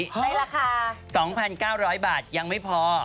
ในราคา๒๙๐๐บาทยังไม่พอ